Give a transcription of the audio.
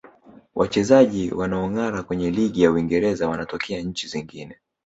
wachezaji wanaongara kwenye ligi ya uingereza wanatokea nchi zingne